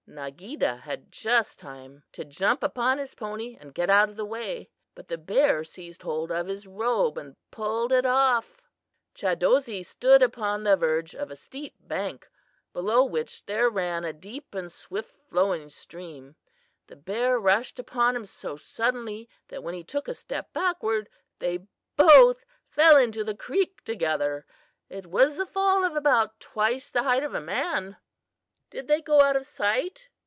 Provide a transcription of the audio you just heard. "Nageedah had just time to jump upon his pony and get out of the way, but the bear seized hold of his robe and pulled it off. Chadozee stood upon the verge of a steep bank, below which there ran a deep and swift flowing stream. The bear rushed upon him so suddenly that when he took a step backward, they both fell into the creek together. It was a fall of about twice the height of a man." "Did they go out of sight?"